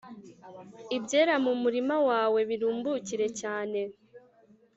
ibyera mu murima wawe birumbukire cyane